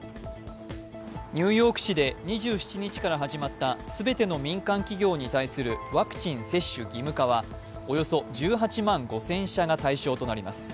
ニューヨーク市で２７日から始まった全ての民間企業に対するワクチン接種義務化はおよそ１８万５０００社が対象となります。